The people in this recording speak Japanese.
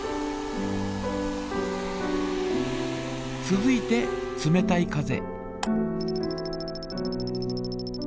続いて冷たい風。